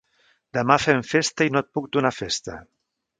Demà fem festa i no et puc donar festa.